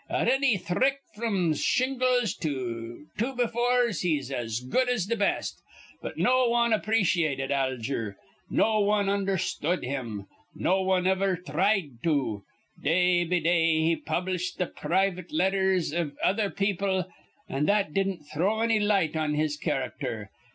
At anny thrick fr'm shingles to two be fours he's as good as th' best. But no wan apprechated Alger. No wan undherstud him. No wan even thried to. Day be day he published th' private letters iv other people, an' that didn't throw anny light on his charackter.